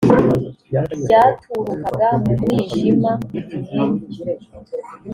ryaturukaga mu mwijima igihe